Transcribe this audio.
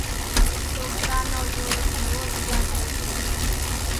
سوڪرا نو زو نوو ويوا ٿل سي،